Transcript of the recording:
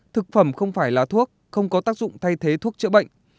thực phẩm không phải là thuốc không có tác dụng thay thế thuốc chữa bệnh